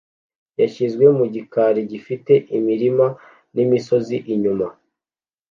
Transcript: yashyizwe mu gikari gifite imirima n'imisozi inyuma